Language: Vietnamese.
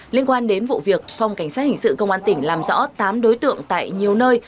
liên quan đến vụ việc phòng cảnh sát hình sự công an tỉnh làm rõ tám đối tượng tại nhiều nơi